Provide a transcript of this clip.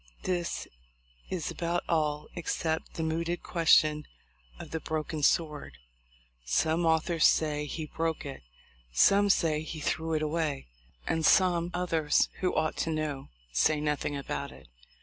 This is about all, except the mooted question of the broken sword. Some au thors say he broke it; some say he threw it away; 290 THE LIFE 0F LINCOLN. and some others, who ought to know, say nothing about it.